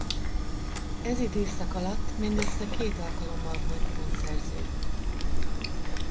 Ez időszak alatt mindössze két alkalommal volt pontszerző.